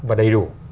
và đầy đủ